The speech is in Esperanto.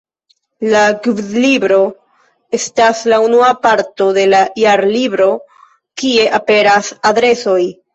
La „Gvidlibro” estas la unua parto de la Jarlibro, kie aperas adresoj.